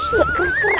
salah sama lu